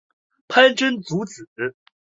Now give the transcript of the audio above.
潘珍族子。